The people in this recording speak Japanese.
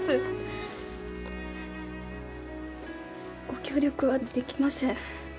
ご協力はできません。